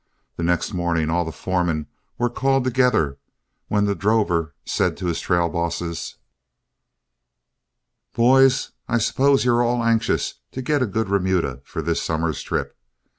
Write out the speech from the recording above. The next morning all the foremen were called together, when the drover said to his trail bosses: "Boys, I suppose you are all anxious to get a good remuda for this summer's trip.